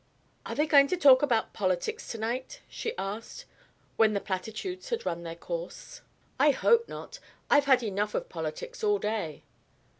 "Are they going to talk politics to night?" she asked, when the platitudes had run their course. "I hope not. I've had enough of politics, all day."